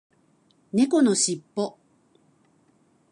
猫のしっぽ